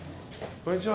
こんにちは。